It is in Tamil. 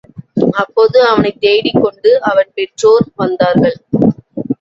அப்போது அவனைத் தேடிக் கொண்டு அவன் பெற்றோர் வந்தார்கள்.